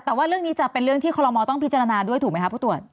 แต่ว่าเรื่องนี้จะเป็นเรื่องที่คอลโมต้องพิจารณาด้วยถูกไหมคะผู้ตรวจ